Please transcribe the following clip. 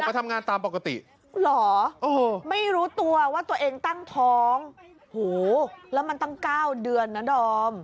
แล้วมันตั้ง๙เดือนนะดอม